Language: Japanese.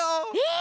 え！